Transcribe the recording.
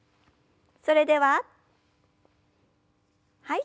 それでははい。